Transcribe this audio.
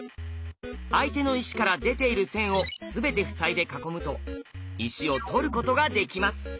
相手の石から出ている線を全て塞いで囲むと石を取ることができます。